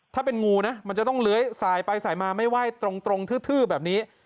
ถ้าเป็นงูนะมันจะต้องเลื้อยสายไปสายมาไม่ไหว้ตรงทื้อแบบนี้